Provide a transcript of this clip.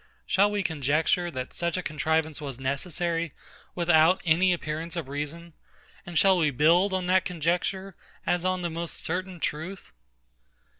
Shall we conjecture, that such a contrivance was necessary, without any appearance of reason? and shall we build on that conjecture as on the most certain truth?